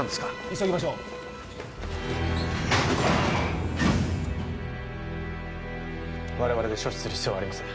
急ぎましょう我々で処置する必要はありません